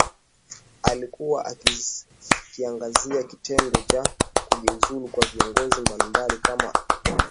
alikuwa akiangazia kitendo cha kujiuzulu kwa viongozi mbalimbali kama ni ushujaa